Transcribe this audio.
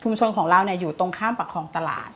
ชุมชนของเราเนี่ยอยู่ตรงข้ามประคองตลาด